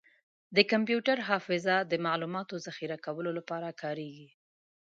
کمپیوټر حافظه د معلوماتو ذخیره کولو لپاره کارېږي.